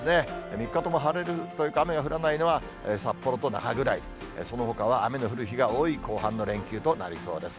３日とも晴れるというか、雨が降らないのは札幌と那覇ぐらい、そのほかは雨の降る日が多い後半の連休となりそうです。